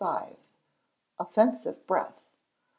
Offensive Breath.